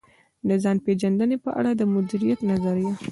د ځان پېژندنې په اړه د مديريت نظريه.